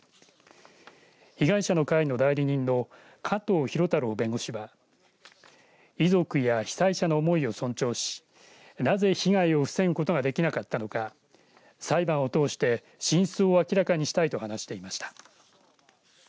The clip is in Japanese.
被害者の会の代理人の加藤博太郎弁護士は遺族や被災者の思いを尊重しなぜ被害を防ぐことができなかったのか裁判をとおして真相を明らかにしたいと話していました。